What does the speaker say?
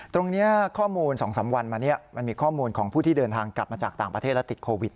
ข้อมูล๒๓วันมานี้มันมีข้อมูลของผู้ที่เดินทางกลับมาจากต่างประเทศและติดโควิด